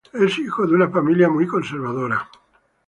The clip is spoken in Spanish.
Es hijo de una familia muy conservadora.